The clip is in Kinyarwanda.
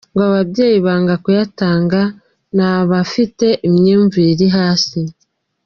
Ngo ababyeyi banga kuyatanga ni abafite imyumvire iri hasi.